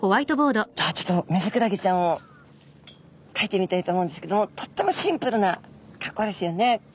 じゃあちょっとミズクラゲちゃんをかいてみたいと思うんですけどもとってもシンプルな格好ですよね。